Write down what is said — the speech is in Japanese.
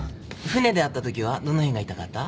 船で会ったときはどのへんが痛かった？